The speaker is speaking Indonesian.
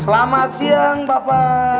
selamat siang papa